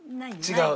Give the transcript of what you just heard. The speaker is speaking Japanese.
違う？